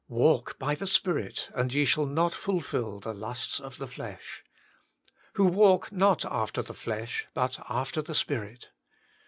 " Walk by the Spirit, and ye shall not fulfil the lusts of the flesh." " Who walk not after the flesh, but after the Spirit."